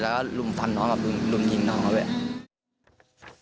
แล้วก็ลุมฟันน้องกับลุมยิงน้องเขาด้วย